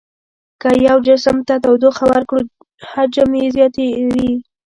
که یو جسم ته تودوخه ورکړو حجم یې زیاتوي.